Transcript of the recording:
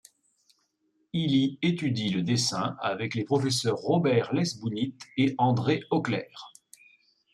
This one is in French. Il y étudie le dessin avec les professeurs Robert Lesbounit et André Auclair.